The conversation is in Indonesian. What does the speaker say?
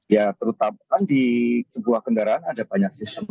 ya terutama kan di sebuah kendaraan ada banyak sistem